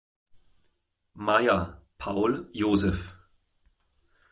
Meier, Paul Jos.